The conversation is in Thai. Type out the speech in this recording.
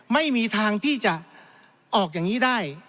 ไม่มีทางที่จะออกอย่างนี้ได้